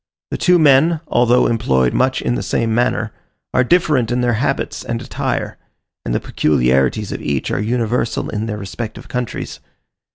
The two men, although employed much in the same manner, are different in their habits and attire; and the peculiarities of each are universal in their respective countries.